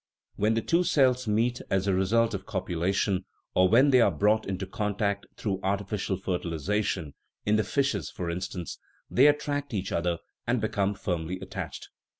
When the two cells meet as a result of copulation, or when they are brought into contact through arti ficial fertilization (in the fishes, for instance), they at tract each other and become firmly attached.